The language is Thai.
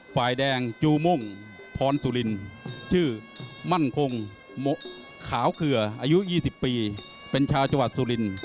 ฝ่ายแดงจูม่งพรสุรินชื่อมั่นคงขาวเกลืออายุ๒๐ปีเป็นชาวจังหวัดสุริน